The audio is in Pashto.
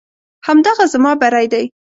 همدغه زما بری دی.